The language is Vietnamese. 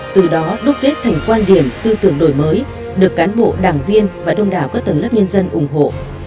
từ đó đúc kết thành quan điểm tư tưởng đổi mới được cán bộ đảng viên và đông đảo các tầng lớp nhân dân ủng hộ